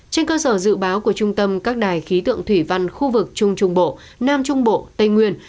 trên cơ sở dự báo của trung tâm các đài khí tượng thủy văn khu vực trung trung bộ nam trung bộ tây nguyên